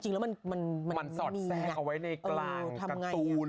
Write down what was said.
จริงแล้วมันแสนะคะเอาไว้ในกลางการทูล